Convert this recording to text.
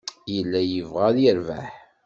Yella yebɣa ad yerbeḥ.